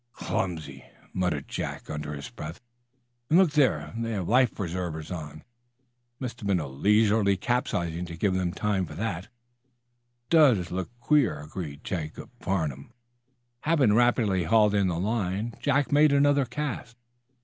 "Clumsy!" muttered Jack, under his breath. "And look there! They have life preservers on. It must have been a leisurely capsizing to give them time for that." "It does look queer," agreed Jacob Farnum. Having rapidly hauled in the line, Jack made another cast.